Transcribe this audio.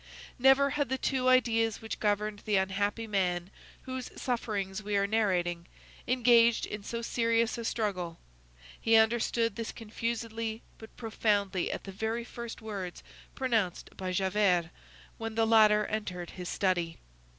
Never had the two ideas which governed the unhappy man whose sufferings we are narrating, engaged in so serious a struggle. He understood this confusedly but profoundly at the very first words pronounced by Javert, when the latter entered his study.